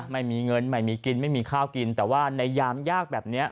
ไม่มีเงินไม่มีกินไม่มีข้าวกินแต่ว่าในยามยากแบบนี้